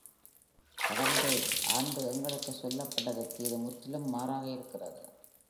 கடந்த ஆண்டு எங்களுக்கு சொல்லப்பட்டதற்கு இது முற்றிலும் மாறாக இருக்கிறது.